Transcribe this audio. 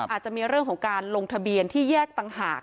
อาจจะมีเรื่องของการลงทะเบียนที่แยกต่างหาก